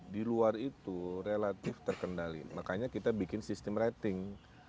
di luar itu relatif terkendali makanya kita bikin sistem rating